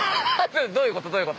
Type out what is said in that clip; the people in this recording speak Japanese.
どういうこと？